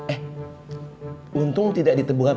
eh untung tidak ditebukan